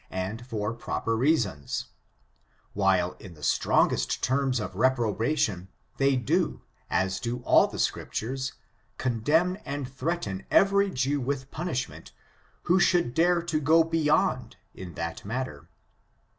nrn r, I I ^ 332 ORIGIN, CHARACTER, AND and lor proper reasons ; while, in the strongest terms of reprobation, they do, as do all the Scriptures, con demn and threaten every Jew with punishment, who should dare to go beyond in that matter.